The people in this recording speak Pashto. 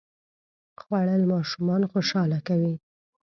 خوړل ماشومان خوشاله کوي